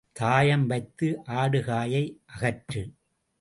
தாயம் வைத்து ஆடு, காயை அகற்று.